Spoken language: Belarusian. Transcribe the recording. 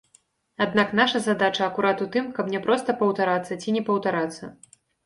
Аднак наша задача акурат у тым, каб не проста паўтарацца ці не паўтарацца.